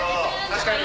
確かに。